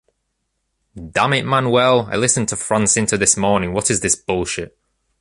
Damnit, Manuel, I listened to France Inter this morning, what is this bullshit?